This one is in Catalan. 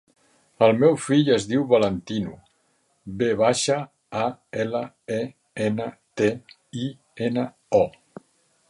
El meu fill es diu Valentino: ve baixa, a, ela, e, ena, te, i, ena, o.